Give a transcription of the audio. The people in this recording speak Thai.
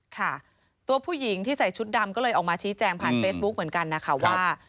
ค่ะตัวผู้หญิงที่ใส่ชุดดำก็เลยออกมาชี้แจงผ่านเฟซบุ๊กเหมือนกันนะคะว่า